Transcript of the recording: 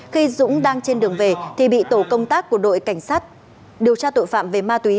khi dũng đang trên đường về thì bị tổ công tác của đội cảnh sát điều tra tội phạm về ma túy